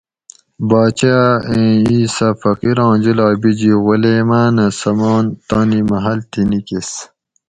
باچہ ایں اِیسہ فقیراں جولاگ بِیجی غُلیماٞنہ سمان تانی محل تھی نِکیس